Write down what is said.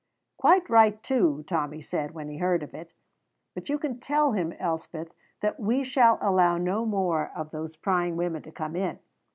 "Quite right, too," Tommy said, when he heard of it. "But you can tell him, Elspeth, that we shall allow no more of those prying women to come in."